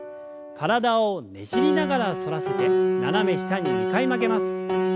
体をねじりながら反らせて斜め下に２回曲げます。